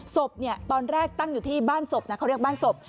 ศพเนี่ยตอนแรกตั้งอยู่ที่บ้านศพนะเขาเรียกบ้านศพ